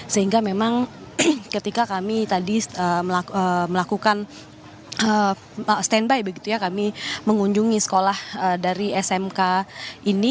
sehingga memang ketika kami tadi melakukan standby begitu ya kami mengunjungi sekolah dari smk ini